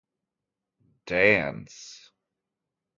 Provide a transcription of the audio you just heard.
Dance.